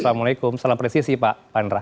assalamualaikum selamat presisi pak pandra